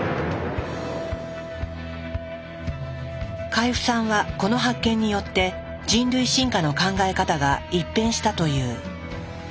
海部さんはこの発見によって人類進化の考え方が一変したという。